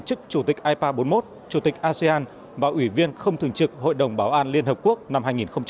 chức chủ tịch ipa bốn mươi một chủ tịch asean và ủy viên không thường trực hội đồng bảo an liên hợp quốc năm hai nghìn hai mươi